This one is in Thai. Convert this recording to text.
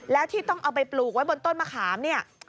แล้วที่ต้องเอาไปปลูกไว้บนต้นมะขามเนี่ย